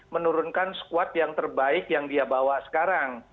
menurunkan squad yang terbaik yang dia bawa sekarang